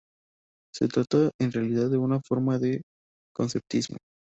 Se trata en realidad de una forma de conceptismo.